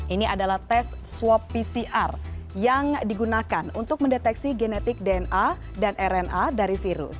ini adalah tes swab pcr yang digunakan untuk mendeteksi genetik dna dan rna dari virus